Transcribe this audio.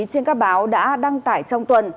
trên các báo đã đăng tải trong tuần